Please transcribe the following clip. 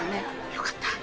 よかった！